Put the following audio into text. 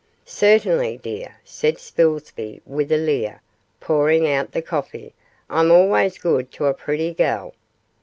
'Certainly, dear,' said Spilsby, with a leer, pouring out the coffee; 'I'm allays good to a pretty gal.